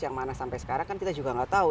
yang mana sampai sekarang kan kita juga nggak tahu